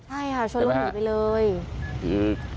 ใช่ค่ะชวนลงหลีไปเลย